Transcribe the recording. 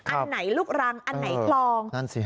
อันไหนลูกรังอันไหนคลอง